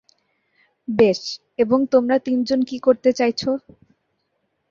বেশ, এবং তোমরা তিনজন কি করতে চাইছ?